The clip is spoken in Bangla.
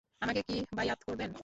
আমাকে কি বাইয়াত করবেন?